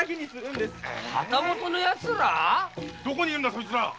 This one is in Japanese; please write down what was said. どこにいるんだそいつら？